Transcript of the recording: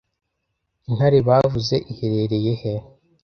intare bavuze iherereye he